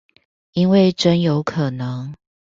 因為真有可能